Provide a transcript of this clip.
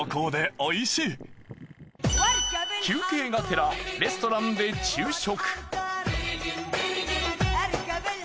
休憩がてらレストランで昼食。